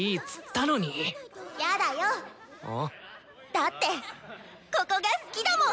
だってここが好きだもん。